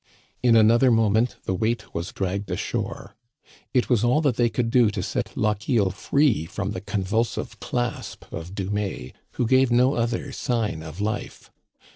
In another moment the weight was dragged ashore. It was all that they could do to set Lochiel free from the convulsive clasp of Dumais, who gave no other sign of life.